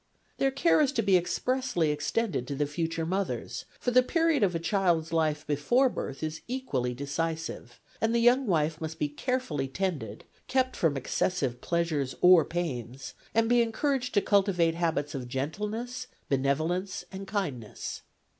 Their care is to be expressly extended to the future mothers, for the period of a child's life before birth is equally decisive, and the young wife must be carefully tended, kept from excessive pleasures or pains, and be encouraged to cultivate habits of gentleness, benevolence, and kindness.